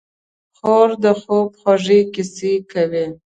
خور د خوب خوږې کیسې کوي.